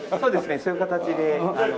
そういう形であの。